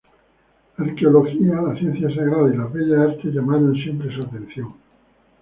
La arqueología, la ciencia sagrada, y las bellas artes, llamaron siempre su atención.